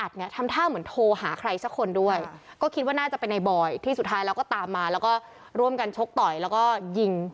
ซักคนด้วยก็คิดว่าน่าจะเป็นในบอยที่สุดท้ายแล้วก็ตามมาแล้วก็ร่วมกันชกต่อยแล้วก็ยิง